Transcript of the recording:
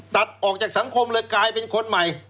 ตัดออกจากสังคมเลยกลายเป็นคนใหม่